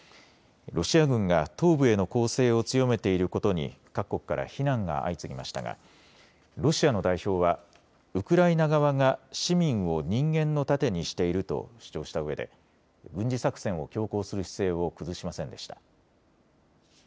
ロシア軍が東部への攻勢を強めていることに各国から非難が相次ぎましたがロシアの代表はウクライナ側が市民を人間の盾にしていると主張したうえで軍事作戦を強行する姿勢を崩しませんでした。